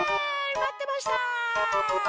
まってました！